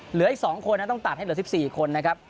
เหลืออีก๒คนนั้นต้องตัดให้เหลือ๑๔คนนะครับ